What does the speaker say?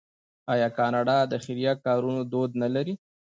آیا کاناډا د خیریه کارونو دود نلري؟